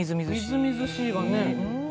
みずみずしいわね。